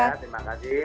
baik terima kasih